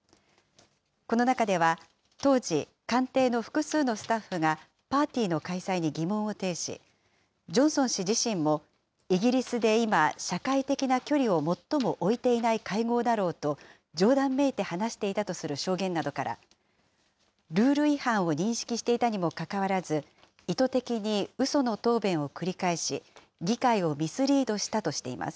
この中では当時、官邸の複数のスタッフが、パーティーの開催に疑問を呈し、ジョンソン氏自身も、イギリスで今、社会的な距離を最も置いていない会合だろうと、冗談めいて話していたとする証言などから、ルール違反を認識していたにもかかわらず、意図的にうその答弁を繰り返し、議会をミスリードしたとしています。